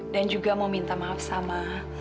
dan juga mau minta maaf sama